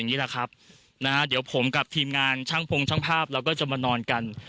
นะฮะเดี๋ยวผมกับทีมงานช่างพงช่างภาพเราก็จะมานอนกัน